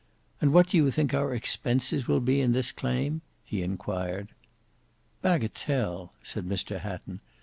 "And what do you think our expenses will be in this claim?" he inquired. "Bagatelle!" said Mr Hatton.